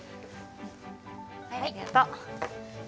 はいありがとう。